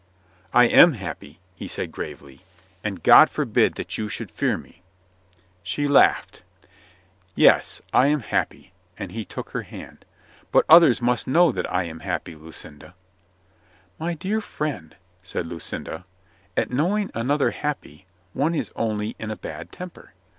"I am happy," he said gravely, "And God for bid that you should fear mc." She laughed. "Yes, I40 COLONEL GREATHEART I am happy," and he took her hand. "But others must know that I am happy, Lucinda." "My dear friend," said Lucinda, "at knowing an other happy, one is only in a bad temper."